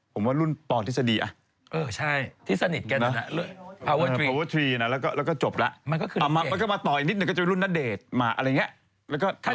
ผมว่ารุ่นต่อที่สดีอะพัวเวอร์๓นะแล้วก็จบแล้วเอามาต่ออีกนิดหนึ่งก็จะรุ่นนเดชน์มาอะไรอย่างเงี้ย